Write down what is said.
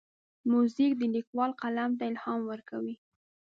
موزیک د لیکوال قلم ته الهام ورکوي.